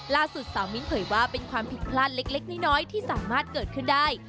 สาวมิ้นเผยว่าเป็นความผิดพลาดเล็กน้อยที่สามารถเกิดขึ้นได้